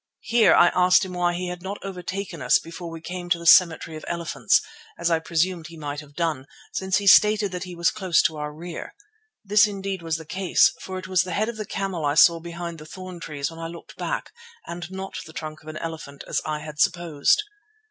Here I asked him why he had not overtaken us before we came to the cemetery of elephants, as I presumed he might have done, since he stated that he was close in our rear. This indeed was the case, for it was the head of the camel I saw behind the thorn trees when I looked back, and not the trunk of an elephant as I had supposed.